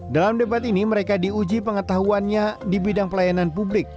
dalam debat ini mereka diuji pengetahuannya di bidang pelayanan publik